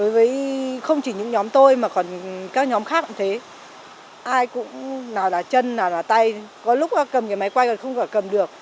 với không chỉ những nhóm tôi mà còn các nhóm khác cũng thế ai cũng nào là chân nào là tay có lúc cầm cái máy quay là không cả cầm được